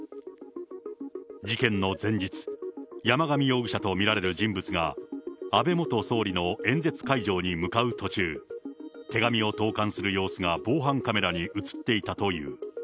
事件の前日、山上容疑者と見られる人物が、安倍元総理の演説会場に向かう途中、手紙を投函する様子が防犯カメラに写っていたという。